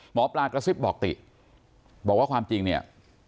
หมอปลากระซิบบอกติบอกว่าความจริงเนี่ย